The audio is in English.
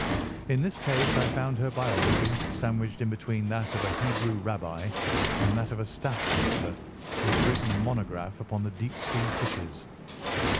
In this case I found her biography sandwiched in between that of a Hebrew rabbi and that of a staff commander who had written a monograph upon the deep sea fishes.